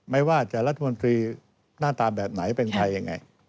ไม่ว่าจะรัฐมนตรีหน้าตาแบบไหนเป็นใครยังไง